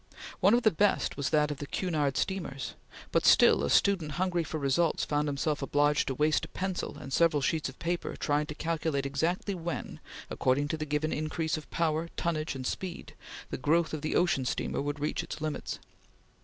One of the best was that of the Cunard steamers, but still a student hungry for results found himself obliged to waste a pencil and several sheets of paper trying to calculate exactly when, according to the given increase of power, tonnage, and speed, the growth of the ocean steamer would reach its limits.